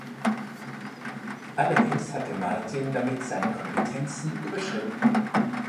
Allerdings hatte Martin damit seine Kompetenzen überschritten.